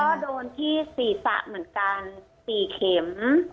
ก็โดนที่ศีรษะเหมือนกัน๔เข็ม